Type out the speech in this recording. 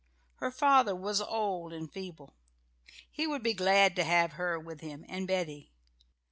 Her father was old and feeble. He would be glad to have her with him and Betty.